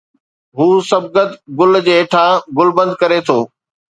هو صبغت گل جي هيٺان گل بند ڪري ٿو